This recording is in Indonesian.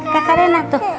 kakak lena tuh